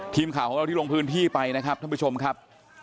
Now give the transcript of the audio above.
ทีมข่าวของเราที่ลงพื้นที่ไปนะครับท่านผู้ชมครับ